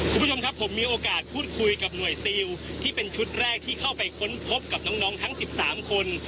คุณผู้ชมครับผมมีโอกาสพูดคุยกับหน่วยซิลที่เป็นชุดแรกที่เข้าไปค้นพบกับน้องทั้ง๑๓คน